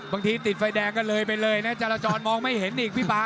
บางทีติดไฟแดงไปเลยจารย์จรมองไม่เห็นอีกพี่ป้า